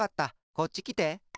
こっちきて。